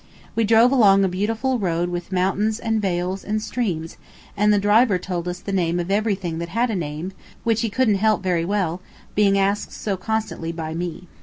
We drove along a beautiful road with mountains and vales and streams, and the driver told us the name of everything that had a name, which he couldn't help very well, being asked so constant by me.